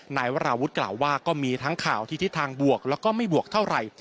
นายวราวุฒิกล่าวว่าก็มีทั้งข่าวที่ทิศทางบวกแล้วก็ไม่บวกเท่าไหร่